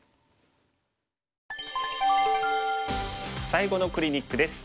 最後のクリニックです。